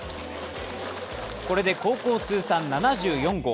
これで高校通算７４号。